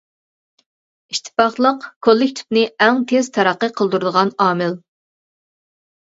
ئىتتىپاقلىق كوللېكتىپنى ئەڭ تېز تەرەققىي قىلدۇرىدىغان ئامىل.